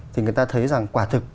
thì người ta thấy rằng quả thực